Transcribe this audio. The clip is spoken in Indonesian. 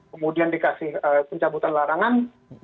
kemudian dikasih pencabutan larangan